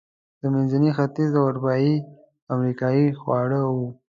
د منځني ختیځ، اروپایي او امریکایي خواړه و.